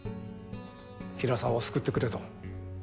平沢を救ってくれと。